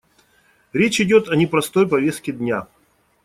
Речь идет о непростой повестке дня.